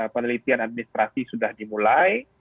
penelitian administrasi sudah dimulai